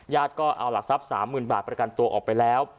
ก็เอาหลักทรัพย์๓๐๐๐บาทประกันตัวออกไปแล้ว